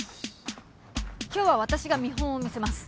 今日は私が見本を見せます。